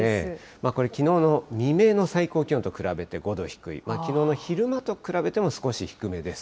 これ、きのうの未明の最高気温と比べて５度低い、きのうの昼間と比べても少し低めです。